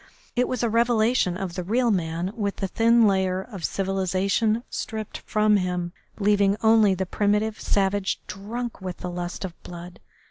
It was a revelation of the real man with the thin layer of civilisation stripped from him, leaving only the primitive savage drunk with the lust of blood.